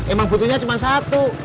emang butuhnya cuma satu